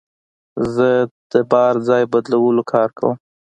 زه د بار ځای بدلولو کار کوم.